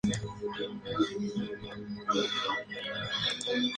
Bill perteneció al coro de la iglesia local por diez años.